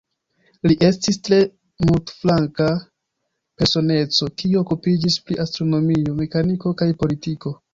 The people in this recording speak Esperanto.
Li estis tre multflanka personeco, kiu okupiĝis pri astronomio, mekaniko kaj politiko.